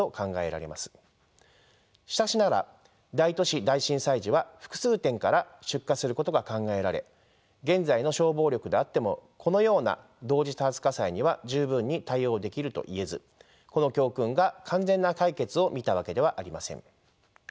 しかしながら大都市大震災時は複数点から出火することが考えられ現在の消防力であってもこのような同時多発火災には十分に対応できるといえずこの教訓が完全な解決を見たわけではありません。